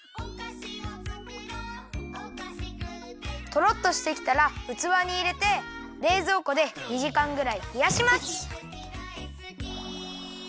とろっとしてきたらうつわにいれてれいぞうこで２じかんぐらいひやします。